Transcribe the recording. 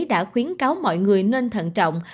đã khuyến cáo mọi người nên thận trọng